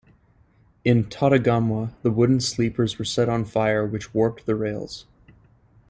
In Totagamuwa, the wooden sleepers were set on fire which warped the rails.